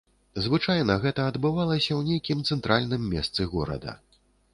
Звычайна гэта адбывалася ў нейкім цэнтральным месцы горада.